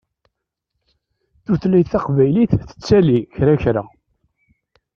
Tutlayt taqbaylit tettali kra kra.